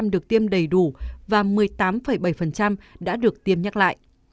năm mươi chín được tiêm đầy đủ và một mươi tám bảy đã được tiêm nhắc lại